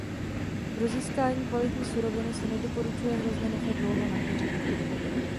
Pro získání kvalitní suroviny se nedoporučuje hrozny nechat dlouho na keři.